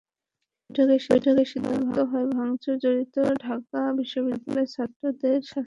বৈঠকে সিদ্ধান্ত হয়, ভাঙচুরে জড়িত ঢাকা বিশ্ববিদ্যালয়ের ছাত্রদের শাস্তি নিশ্চিত করবে কর্তৃপক্ষ।